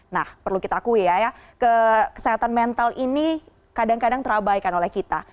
nah perlu kita akui ya kesehatan mental ini kadang kadang terabaikan oleh kita